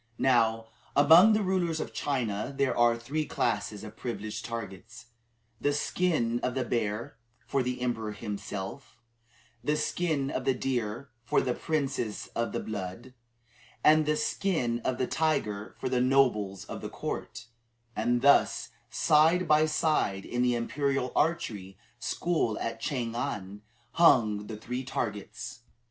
Now, among the rulers of China there are three classes of privileged targets the skin of the bear for the emperor himself, the skin of the deer for the princes of the blood, and the skin of the tiger for the nobles of the court; and thus, side by side, in the Imperial Archery School at Chang an, hung the three targets.